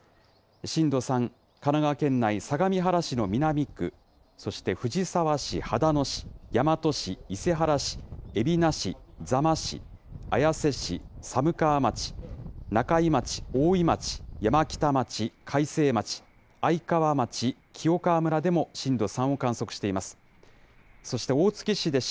震度３、神奈川県内、相模原市の南区、そして藤沢市、秦野市、大和市、伊勢原市、海老名市、座間市、綾瀬市、寒川町、なかい町、大井町、山北町、かいせい町、愛川町、清川村でも震度３を観測しています。